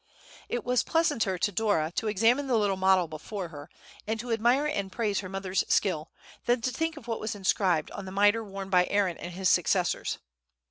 It was pleasanter to Dora to examine the little model before her, and to admire and praise her mother's skill, than to think of what was inscribed on the mitre worn by Aaron and his successors.